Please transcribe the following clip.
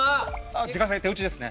自家製手打ちですね